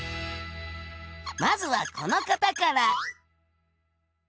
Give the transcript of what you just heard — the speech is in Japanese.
まずはこの方から。